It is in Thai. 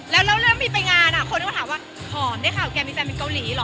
แล้วเรื่องมีไปงานคนก็มาถามว่าหอมได้ข่าวแกมีแฟนเป็นเกาหลีเหรอ